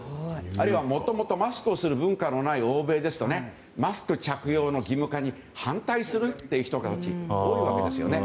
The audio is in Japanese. あるいはもともとマスクをする文化のない欧米ですとマスク着用の義務化に反対するって人たちが多いわけですよね。